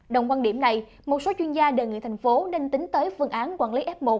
đồng quan điểm này một số chuyên gia đề nghị thành phố nên tính tới phương án quản lý f một